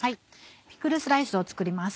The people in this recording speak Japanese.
ピクルスライスを作ります。